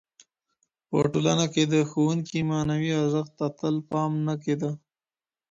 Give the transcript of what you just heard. په ټولنه کي د ښوونکي معنوي ارزښت ته تل پام نه کيده.